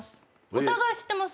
お互い知ってます